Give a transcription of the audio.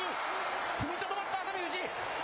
踏みとどまった熱海富士。